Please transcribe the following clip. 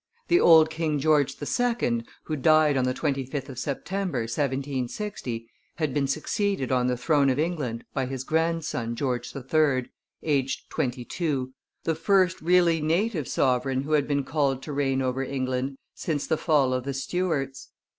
The old King George II., who died on the 25th of September, 1760, had been succeeded on the throne of England by his grandson, George III., aged twenty two, the first really native sovereign who had been called to reign over England since the fall of the Stuarts.